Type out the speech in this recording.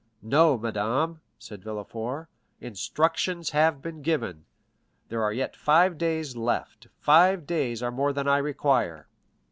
"No, madame," said Villefort; "instructions have been given. There are yet five days left; five days are more than I require.